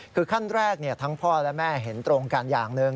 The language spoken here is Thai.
คือขั้นแรกทั้งพ่อและแม่เห็นตรงกันอย่างหนึ่ง